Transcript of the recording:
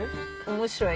面白い。